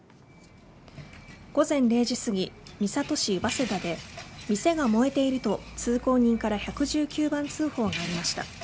午前０時すぎ三郷市早稲田で店が燃えていると通行人から１１９番通報がありました。